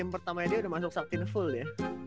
game pertamanya dia udah masuk saktin full ya